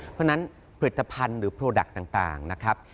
เพราะฉะนั้นผลิตภัณฑ์หรือโปรดักต์ต่างนะครับ